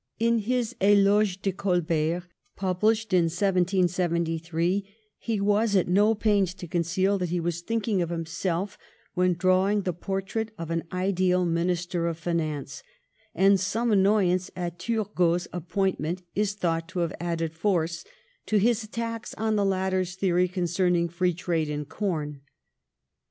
In his £loge de Colbert, published in 1773, he was at no pains to conceal that he was thinking of himself when drawing the portrait of an ideal Minister of Finance ; and some annoy ance at Turgot's appointment is thought to have added force to his attacks on the latter's theories concerning free trade in corn.